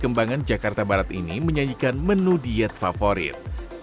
kembangan jakarta barat ini menyanyikan menu diet favorit